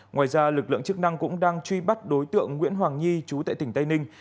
ngoài ra lực lượng chức năng cũng đang truy bắt đối tượng nguyễn hoàng nhi trú tại tỉnh tây ninh